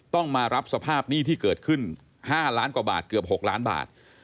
ต้องมารับสภาพหนี้ที่เกิดขึ้น๕ล้านกว่าบาทเกือบ๖ล้านบาท